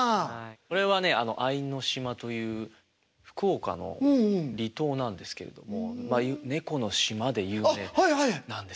これはね相島という福岡の離島なんですけれども猫の島で有名なんです。